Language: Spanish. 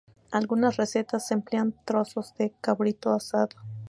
Algunas recetas emplean trozos de cabrito asado.